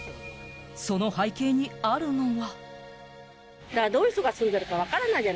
その背景にあるのは。